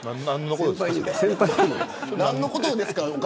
何のことですか。